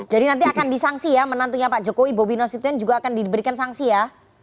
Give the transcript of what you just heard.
jadi nanti akan disangsi ya menantunya pak jokowi bobi nosyuten juga akan diberikan sanksi ya